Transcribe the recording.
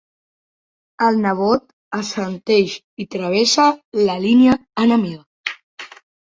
El nebot assenteix i travessa la línia enemiga.